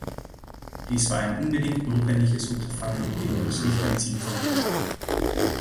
Dies war ein unbedingt notwendiges Unterfangen, dem wir uns nicht entziehen konnten.